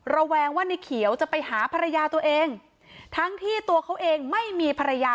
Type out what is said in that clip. แวงว่าในเขียวจะไปหาภรรยาตัวเองทั้งที่ตัวเขาเองไม่มีภรรยา